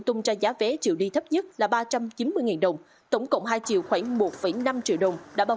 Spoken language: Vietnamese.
tung ra giá vé chiều đi thấp nhất là ba trăm chín mươi đồng tổng cộng hai triệu khoảng một năm triệu đồng đã bao